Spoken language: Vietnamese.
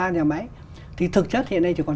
nhà máy thì thực chất thì hiện nay chỉ còn